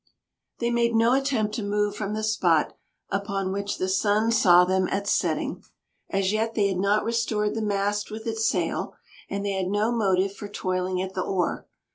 They made no attempt to move from the spot upon which the sun saw them at setting. As yet they had not restored the mast with its sail; and they had no motive for toiling at the oar.